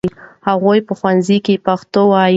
هغوی په ښوونځي کې پښتو وايي.